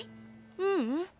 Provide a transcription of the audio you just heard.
ううん。